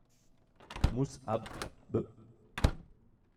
Muṣʿab b.